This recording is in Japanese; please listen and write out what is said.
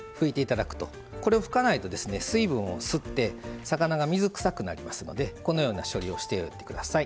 これを拭かないと水分を吸って魚が水くさくなりますのでこのような処理をしておいてください。